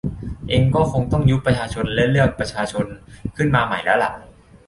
เอ็งก็คงต้องยุบประชาชนและเลือกประชาชนขึ้นมาใหม่แล้วแหละ